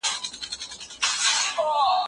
هغه ځوانان چې مهارتونه زده کړي، ښه کارونه ترسره کوي.